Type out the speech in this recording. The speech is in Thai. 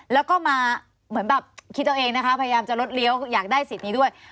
แล้วก็มาเหมือนแบบคิดเอาเองนะคะพยายามจะลดเลี้ยวอยากได้สิทธิ์นี้ด้วย